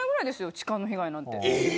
痴漢の被害なんて。